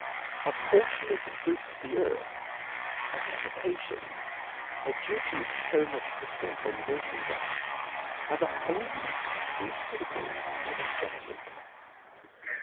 A portion of the fruits of the earthy a capitation, a duty of fo much per cent, on mer chandizes, are the only taxes fuitable to that go* vernment.